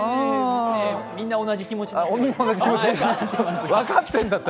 みんな同じ気持ちで。